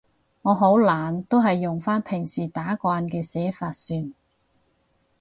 我好懶，都係用返平時打慣嘅寫法算